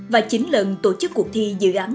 và chín lần tổ chức cuộc thi dự án